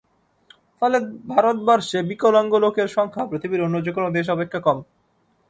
ফলে ভারতবর্ষে বিকলাঙ্গ লোকের সংখ্যা পৃথিবীর অন্য যে-কোন দেশ অপেক্ষা কম।